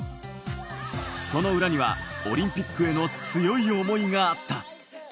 その裏にはオリンピックへの強い思いがあった。